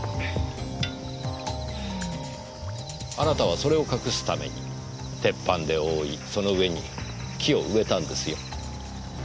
あなたはそれを隠すために鉄板で覆いその上に木を植えたんですよ。